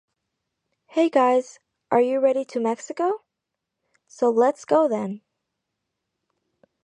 Hey guys, are you ready to Mexico? So, let's go then.